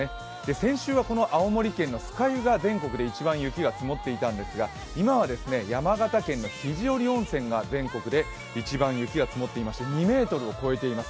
先週は青森県の酸ヶ湯が全国で一番雪が積もっていたんですが今は山形県の肘折温泉が全国で一番雪が積もっていまして２ｍを超えています。